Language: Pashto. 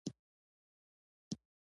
آیا د ازمایښت په وخت کې بوی هم حس کوئ؟